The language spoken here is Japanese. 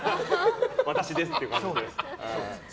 私ですっていう感じで。